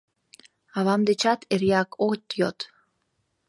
Авам дечат эреак от йод...